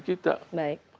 kita bisa bangun negeri